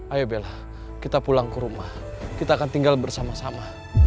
ayo bela kita pulang ke rumah kita akan tinggal bersama sama